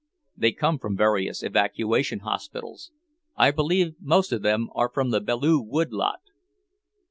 "They come from various evacuation hospitals. I believe most of them are the Belleau Wood lot."